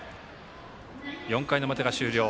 ４回の表が終了。